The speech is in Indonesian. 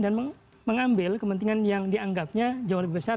dan mengambil kepentingan yang dianggapnya jauh lebih besar